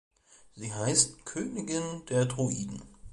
Sie heißt "Königin der Druiden".